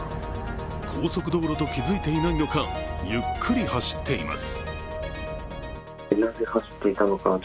高速道路と気づいていないのか、ゆっくり走っています。